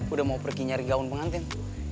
udah mau pergi nyari gaun pengantin